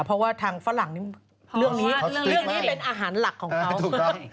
เพราะว่าทางฝรั่งนี้เรื่องนี้เป็นอาหารหลักของเขา